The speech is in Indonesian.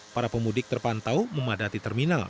para pemudik terpantau memadati terminal